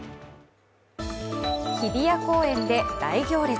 日比谷公園で大行列。